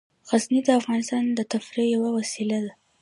غزني د افغانانو د تفریح یوه وسیله ده.